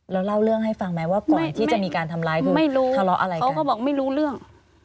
แล้วเล่าเรื่องให้ฟังไหมว่าก่อนที่จะมีการทำร้ายทะเลาะอะไรกันไม่รู้เขาก็บอกไม่รู้เรื่อง